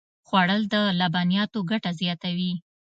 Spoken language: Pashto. خوړل د لبنیاتو ګټه زیاتوي